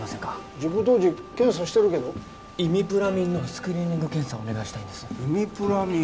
事故当時検査してるけどイミプラミンのスクリーニング検査お願いしたいんですイミプラミン？